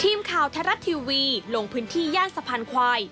ทีมข่าวไทยรัฐทีวีลงพื้นที่ย่านสะพานควาย